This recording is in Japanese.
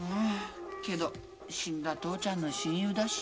けど死んだ父ちゃんの親友だし。